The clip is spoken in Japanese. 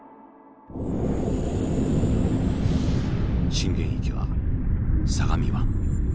震源域は相模湾。